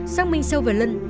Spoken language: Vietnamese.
xác minh sâu về lân